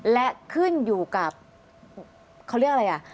และขึ้นอยู่กับเขาเรียกอะไรอ่ะ